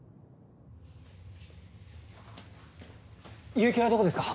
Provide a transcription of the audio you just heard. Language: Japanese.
輸液はどこですか？